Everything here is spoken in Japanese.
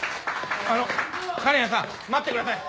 あの金谷さん待ってください。